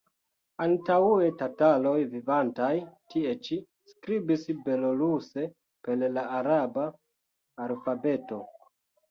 Antaŭe tataroj vivantaj tie ĉi skribis beloruse per la araba alfabeto.